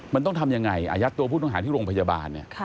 มันต้องทำยังไงอายัดตัวผู้ต้องหาที่โรงพยาบาลเนี่ย